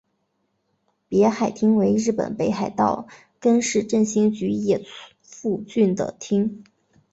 别海町为日本北海道根室振兴局野付郡的町。